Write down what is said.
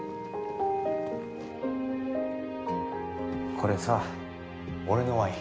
これさ俺のワイン。